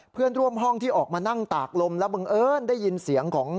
เพื่อนร่วมห้องที่ออกมานั่งตากลมแล้วบังเอิญได้ยินเสียงของ